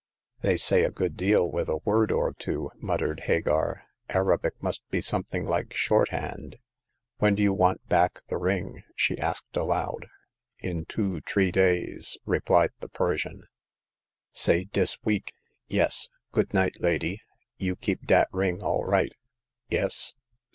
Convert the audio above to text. "They say a good deal with a word or two," muttered Hagar. Arabic must be something like shorthand. When do you want back the ring ?" she asked, aloud. In two— tree days," replied the Persian. " Say dis week. Yes. Good night, lady ; you keep dat ring all right. Yes.